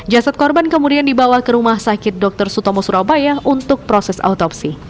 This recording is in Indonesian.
jasad korban kemudian dibawa ke rumah sakit dr sutomo surabaya untuk proses autopsi